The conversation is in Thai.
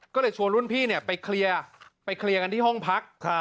ก็เลยชวนรุ่นพี่ไปเคลียร์ไปเคลียร์กันที่ห้องพัก